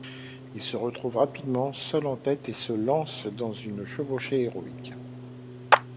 Il se retrouve rapidement seul en tête et se lance dans une chevauchée héroïque.